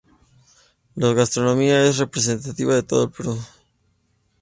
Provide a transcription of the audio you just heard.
La gastronomía es representativa de todo el Perú.